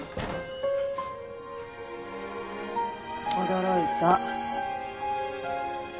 驚いた。